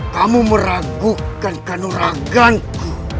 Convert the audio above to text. kamu meragukan kanuraganku